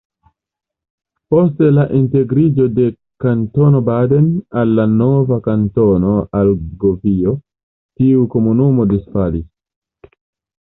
Post la integriĝo de Kantono Baden al la nova Kantono Argovio, tiu komunumo disfalis.